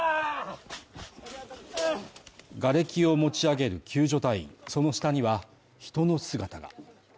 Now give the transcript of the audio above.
がれきを持ち上げる救助隊員その下には人の姿が。